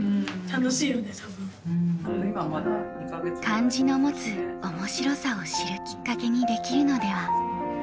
漢字の持つ面白さを知るきっかけにできるのでは。